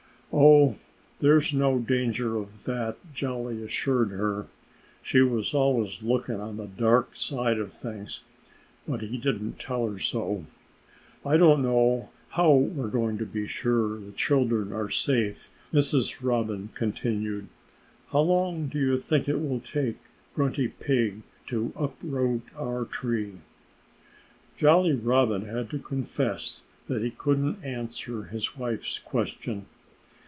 "Oh! There's no danger of that," Jolly assured her. She was always looking on the dark side of things. But he didn't tell her so. "I don't know how we're going to be sure the children are safe," Mrs. Robin continued. "How long do you think it will take Grunty Pig to uproot our tree?" Jolly Robin had to confess that he couldn't answer his wife's question.